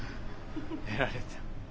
やられた。